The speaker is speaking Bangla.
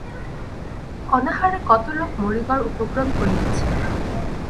অনাহারে কত লোক মরিবার উপক্রম করিতেছে।